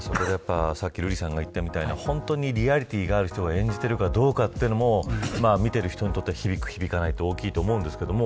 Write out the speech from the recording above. さっき瑠麗さんが言ったみたいに本当にリアリティーのある人が演じているかどうかというのも見てる人にとっては響く、響かないは大きいと思います。